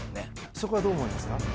そこはどう思いますか？